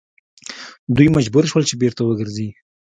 دوی مجبور شول چې بیرته وګرځي.